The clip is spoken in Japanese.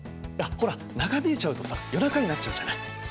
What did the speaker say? いやほら長引いちゃうとさ夜中になっちゃうじゃない。